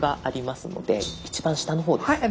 一番下の方です。